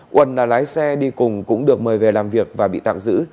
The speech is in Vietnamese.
quần là lái xe đi cùng cũng được mời về làm việc và bị tạm giữ